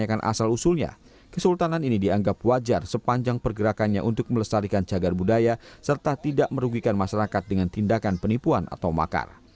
tapi pertanyakan asal usulnya kesultanan ini dianggap wajar sepanjang pergerakannya untuk melestarikan jagar budaya serta tidak merugikan masyarakat dengan tindakan penipuan atau makar